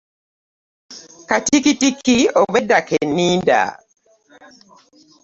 Katikitiki obwedda ke nninda.